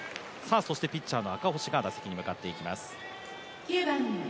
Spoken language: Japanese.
そしてピッチャーの赤星が打席に向かっていきます。